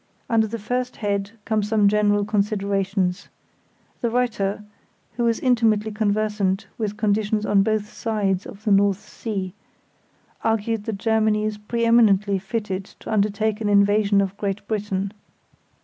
Under the first head come some general considerations. The writer (who is intimately conversant with conditions on both sides of the North Sea) argued that Germany is pre eminently fitted to undertake an invasion of Great Britain.